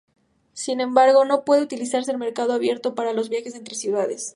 Sin embargo, no se puede utilizar el mercado abierto para los viajes entre ciudades.